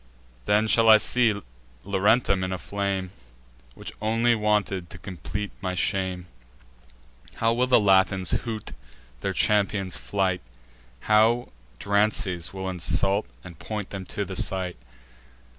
Then, shall I see Laurentum in a flame, Which only wanted, to complete my shame? How will the Latins hoot their champion's flight! How Drances will insult and point them to the sight!